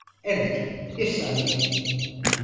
Evet, bir saniye.